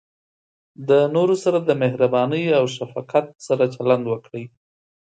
د نورو سره د مهربانۍ او شفقت سره چلند وکړئ.